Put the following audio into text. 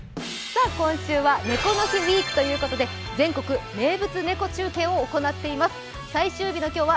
今週は猫の日ウイークということで、全国猫中継をお届けしています。